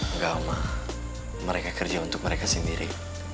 enggak mereka kerja untuk mereka sendiri